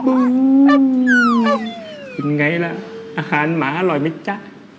เป็นไงล่ะอาหารหมาอร่อยไหมจ๊ะ